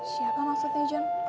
siapa maksudnya jon